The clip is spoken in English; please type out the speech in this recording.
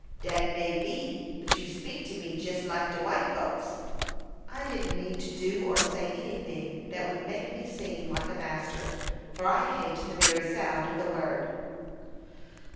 "Dat may be; but you speak to me jes like de white folks." "I didn't mean to do or say any thing that would make me seem like a master, for I hate the very sound of the word."